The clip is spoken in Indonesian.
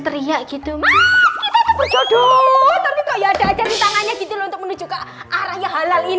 teriak gitu maaf kita berjodoh